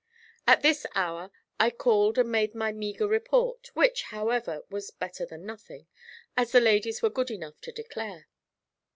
At this hour I called and made my meagre report, which, however, was better than nothing, as the ladies were good enough to declare.